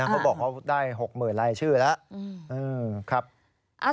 เขาบอกเขาได้๖๐๐๐ลายชื่อแล้ว